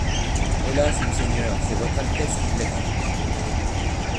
Hélas ! monseigneur, c'est Votre Altesse qui l'a dit.